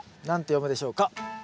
何て読むでしょうか？